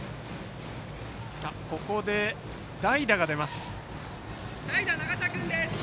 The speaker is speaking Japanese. ここで代打が出ます。